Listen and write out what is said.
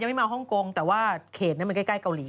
ไม่มาฮ่องกงแต่ว่าเขตนั้นมันใกล้เกาหลี